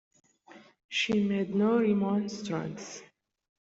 She made no remonstrance.